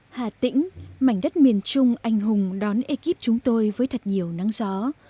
hà tĩnh mảnh đất miền trung anh hùng đón ekip chúng tôi với thật nhiều nắng gió